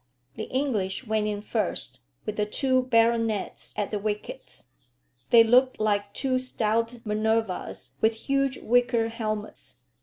The English went in first, with the two baronets at the wickets. They looked like two stout Minervas with huge wicker helmets.